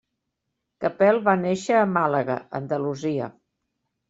Capel va néixer a Màlaga, Andalusia.